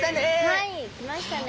はい来ましたね。